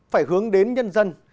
phải hướng đến nhân dân